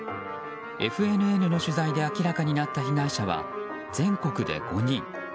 ＦＮＮの取材で明らかになった被害者は全国で５人。